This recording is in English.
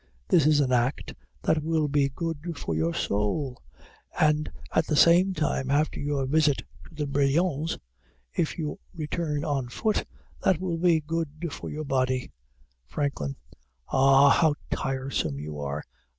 This is an act that will be good for your soul; and, at the same time, after your visit to the Brillons, if you return on foot, that will be good for your body. FRANKLIN. Ah! how tiresome you are!